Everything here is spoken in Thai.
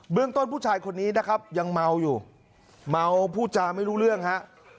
เรื่องต้นผู้ชายคนนี้นะครับยังเมาอยู่เมาพูดจาไม่รู้เรื่องฮะ